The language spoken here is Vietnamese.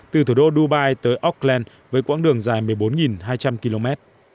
từ thủ đô dubai tới auckland với quãng đường dài một mươi bốn hai trăm linh km